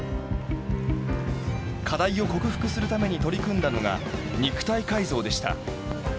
課題を克服するために取り組んだのが肉体改造でした。